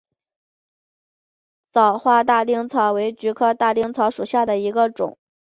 早花大丁草为菊科大丁草属下的一个种。